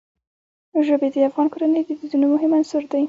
ژبې د افغان کورنیو د دودونو مهم عنصر دی.